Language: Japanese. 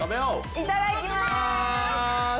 いただきます！